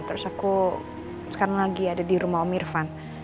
terus aku sekarang lagi ada di rumah om irfan